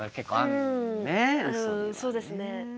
うんそうですね。